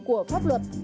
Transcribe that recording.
của pháp luật